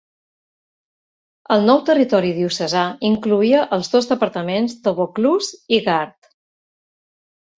El nou territori diocesà incloïa els dos departaments de Vaucluse i Gard.